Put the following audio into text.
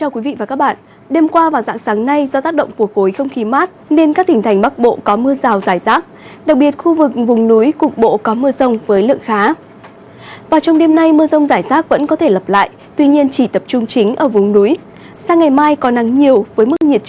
các bạn hãy đăng ký kênh để ủng hộ kênh của chúng mình nhé